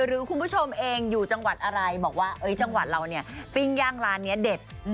หรือคุณผู้ชมเองอยู่จังหวัดอะไรบอกว่าจังหวัดเราเนี่ยปิ้งย่างร้านนี้เด็ด